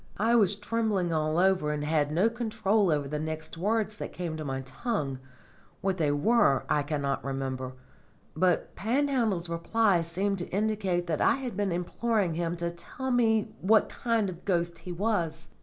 I was trembling all over and had no control over the next words that came to my tongue. What they were I cannot remember, but Panhandle's reply seems to indicate that I had been imploring him to tell me what kind of a ghost he was.